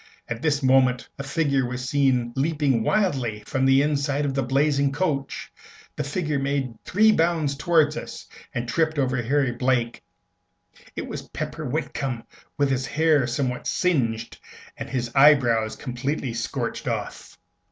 At this moment a figure was seen leaping wildly from the inside of the blazing coach. The figure made three bounds towards us, and tripped over Harry Blake. It was Pepper Whitcomb, with his hair somewhat singed, and his eyebrows completely scorched off!